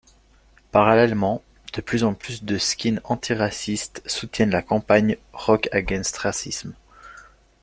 Parallèlement, de plus en plus de skins antiracistes soutiennent la campagne Rock Against Racism.